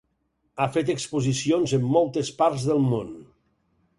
Ha fet exposicions en moltes parts del món.